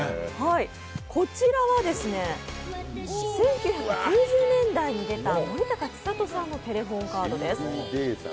こちらは１９９０年代に出た森高千里さんのテレホンカードです。